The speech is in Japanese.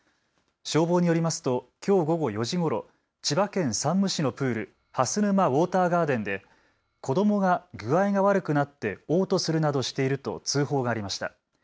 消防によりますときょう午後４時ごろ、千葉県山武市のプール、蓮沼ウォーターガーデンで子どもが具合が悪くなっておう吐するなどしていると通報がありました。